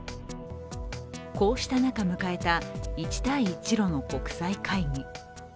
こうした中で迎えた一帯一路の国際会議。